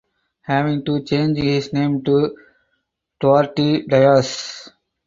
Having to change his name to "Duarte Dias".